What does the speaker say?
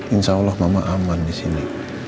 insya allah mama aman di sini